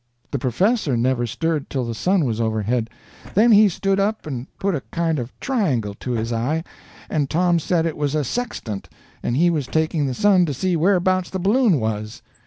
The professor never stirred till the sun was overhead, then he stood up and put a kind of triangle to his eye, and Tom said it was a sextant and he was taking the sun to see whereabouts the balloon was.